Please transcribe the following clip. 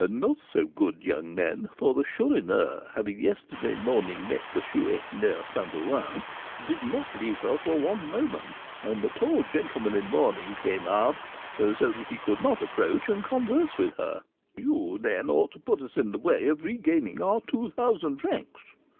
"Not so good, young man; for the Chourineur, having yesterday morning met the Chouette, near St. Ouen, did not leave her for one moment, when the tall gentleman in mourning came up, so that he could not approach and converse with her. You, then, ought to put us in the way of regaining our two thousand francs."